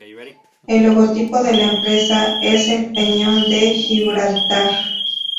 El logotipo de la empresa es el peñón de Gibraltar.